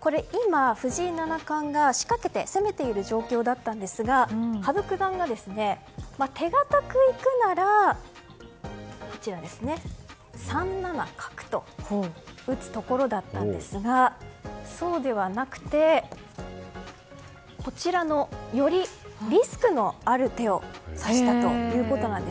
これ今、藤井七冠が仕掛けて攻めている状況だったんですが羽生九段が、手堅く行くなら３七角と打つところだったんですがそうではなくてよりリスクのある手を指したということなんです。